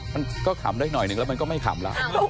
มันก็ขำได้หน่อยหนึ่งแล้วมันก็ไม่ขำล่ะ